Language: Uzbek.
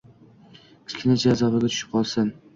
kichigida jazavaga tushib qolish